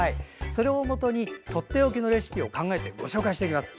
それをもとにとっておきのレシピを考えてご紹介していきます。